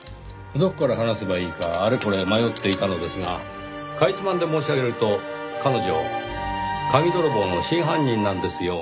どこから話せばいいかあれこれ迷っていたのですがかいつまんで申し上げると彼女鍵泥棒の真犯人なんですよ。